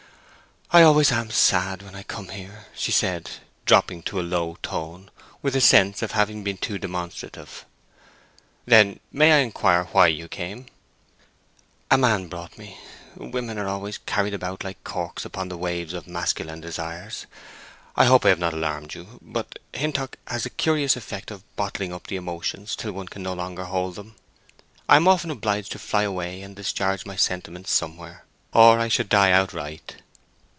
"I always am sad when I come here," she said, dropping to a low tone with a sense of having been too demonstrative. "Then may I inquire why you came?" "A man brought me. Women are always carried about like corks upon the waves of masculine desires....I hope I have not alarmed you; but Hintock has the curious effect of bottling up the emotions till one can no longer hold them; I am often obliged to fly away and discharge my sentiments somewhere, or I should die outright."